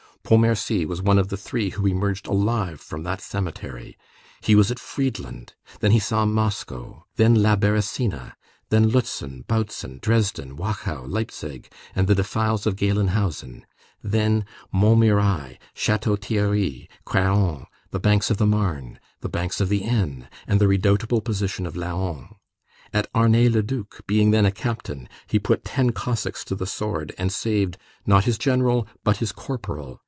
Pontmercy was one of the three who emerged alive from that cemetery. He was at Friedland. Then he saw Moscow. Then La Bérésina, then Lutzen, Bautzen, Dresden, Wachau, Leipzig, and the defiles of Gelenhausen; then Montmirail, Château Thierry, Craon, the banks of the Marne, the banks of the Aisne, and the redoubtable position of Laon. At Arnay Le Duc, being then a captain, he put ten Cossacks to the sword, and saved, not his general, but his corporal.